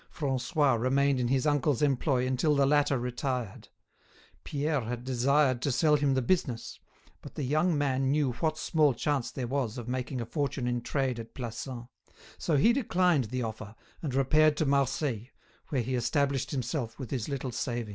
Francois remained in his uncle's employ until the latter retired. Pierre had desired to sell him the business, but the young man knew what small chance there was of making a fortune in trade at Plassans; so he declined the offer and repaired to Marseilles, where he established himself with his little savings.